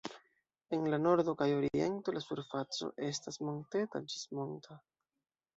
En la nordo kaj oriento la surfaco estas monteta ĝis monta.